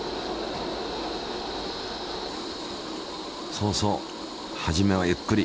そうそう初めはゆっくり。